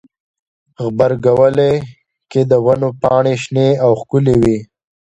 غبرګولی کې د ونو پاڼې شنې او ښکلي وي.